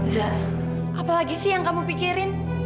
zah apalagi sih yang kamu pikirin